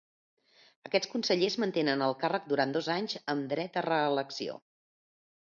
Aquests consellers mantenen el càrrec durant dos anys amb dret a reelecció.